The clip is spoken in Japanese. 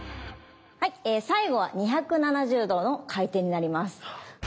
最後は２７０度の回転になります。